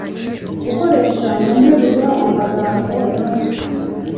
Gukoresha mu nteruro amagambo nungutse.